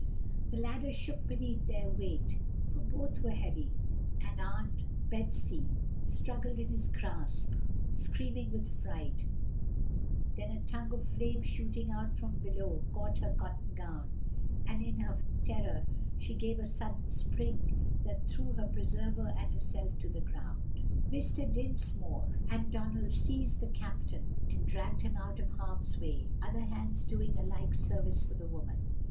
The ladder shook beneath their weight, for both were heavy, and Aunt Betsy struggled in his grasp, screaming with fright; then a tongue of flame shooting out from below caught her cotton gown, and in her frantic terror she gave a sudden spring that threw her preserver and herself to the ground. Mr. Dinsmore and Donald seized the captain and dragged him out of harm's Way, other hands doing a like service for the woman.